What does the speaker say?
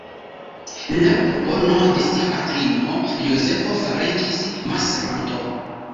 Laŭ propono de sia patrino Jozefo fariĝis messervanto.